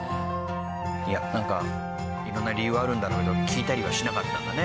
いやなんか色んな理由はあるんだろうけど聞いたりはしなかったんだね。